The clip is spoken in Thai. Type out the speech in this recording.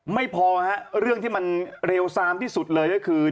ไม่พอฮะเรื่องที่มันเร็วซามที่สุดเลยก็คือ